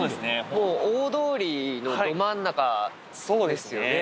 もう大通りのど真ん中ですよね。